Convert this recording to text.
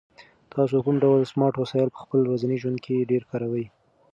تاسو کوم ډول سمارټ وسایل په خپل ورځني ژوند کې ډېر کاروئ؟